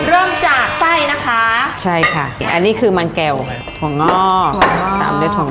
เริ่มจากไส้นะคะใช่ค่ะอันนี้คือมันแก่วถั่วงอกตามด้วยถั่ว